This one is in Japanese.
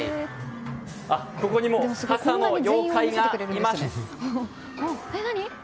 ここにもたくさんの妖怪がいます。